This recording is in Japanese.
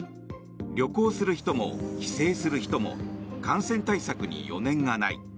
旅行する人も帰省する人も感染対策に余念がない。